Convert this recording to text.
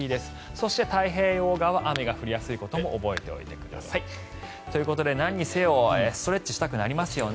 そして太平洋側は雨が降りやすいことも覚えておいてください。ということでなんにせよストレッチしたくなりますよね。